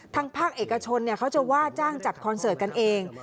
ทางภาคเอกชนเขาจะว่าจ้างจัดคอนเสิร์ตกันเอง